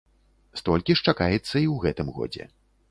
Столькі ж чакаецца і ў гэтым годзе.